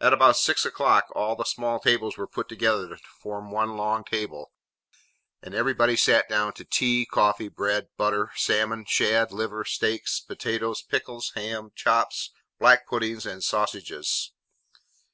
At about six o'clock, all the small tables were put together to form one long table, and everybody sat down to tea, coffee, bread, butter, salmon, shad, liver, steaks, potatoes, pickles, ham, chops, black puddings, and sausages.